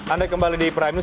anda kembali di prime news